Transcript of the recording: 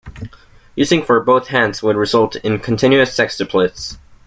Using for both hands would result in continuous sextuplets.